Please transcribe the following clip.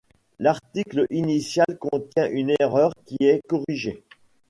L'article initial contient une erreur, qui est corrigée.